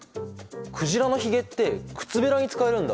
鯨のひげってくつべらに使えるんだ。